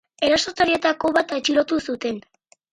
Erasotzaileetako bat atxilotu zuten.